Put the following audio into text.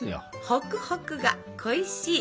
「ホクホクが恋しい！」。